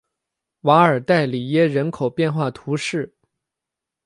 瓦尔代里耶人口变化图示